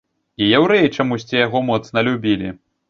І яўрэі чамусьці яго моцна любілі.